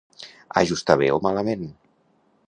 Ajustar bé o malament.